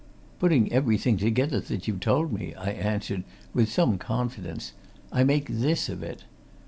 "Putting everything together that you've told me," I answered, with some confidence, "I make this of it.